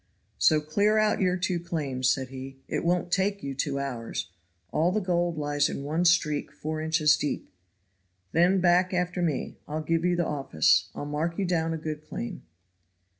"So clear out your two claims," said he. "It won't take you two hours. All the gold lies in one streak four inches deep. Then back after me; I'll give you the office. I'll mark you down a good claim."